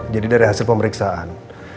jadi dari hasil pemeriksaan